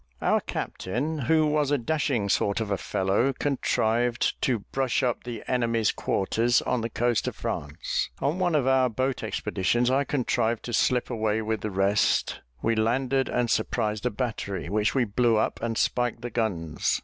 Our captain, who was a dashing sort of a fellow, contrived to brush up the enemy's quarters, on the coast of France. On one of our boat expeditions, I contrived to slip away with the rest; we landed, and surprised a battery, which we blew up, and spiked the guns.